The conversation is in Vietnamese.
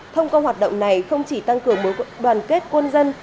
thông công hoạt động này không chỉ tăng cường đoàn kết quân dân